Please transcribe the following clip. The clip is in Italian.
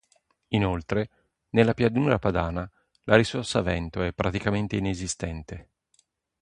Inoltre, nella Pianura padana la risorsa vento è praticamente inesistente.